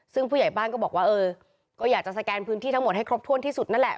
ซึ่งผู้ใหญ่บ้านก็บอกว่าเออก็อยากจะสแกนพื้นที่ทั้งหมดให้ครบถ้วนที่สุดนั่นแหละ